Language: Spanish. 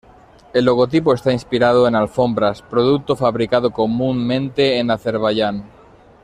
El logotipo está inspirado en alfombras, producto fabricado comúnmente en Azerbaiyán.